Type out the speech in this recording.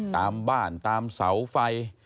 ตามบ้านตามเสาไฟ